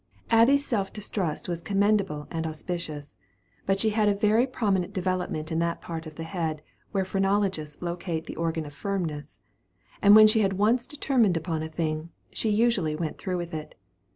Abby's self distrust was commendable and auspicious; but she had a very prominent development in that part of the head where phrenologists locate the organ of firmness; and when she had once determined upon a thing, she usually went through with it.